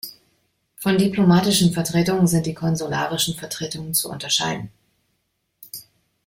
Von diplomatischen Vertretungen sind die konsularischen Vertretungen zu unterscheiden.